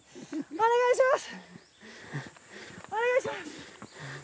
お願いします。